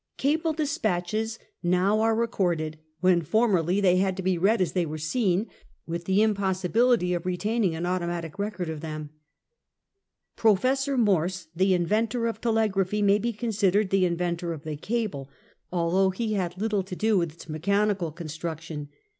Cable dispatches now are recorded, when formerly they had to be read as they were seen, with the impossibility of retaining an automatic record of them. Professor Morse, the inventor of telegraphy, may be considered the inventor of the cable, although he had little to do with its mechanical construction.